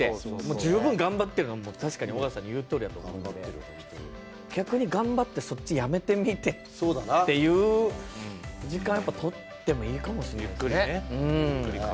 十分頑張ってるのは確かに尾形さんの言うとおりだと思いますので、逆に頑張ってそっちやめてみてっていう時間とってもいいかもしれないですね。